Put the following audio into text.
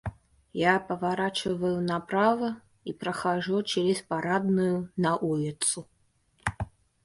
Я поворачиваю направо и прохожу через парадную на улицу.